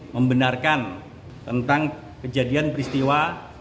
membenarkan tentang kejadian peristiwa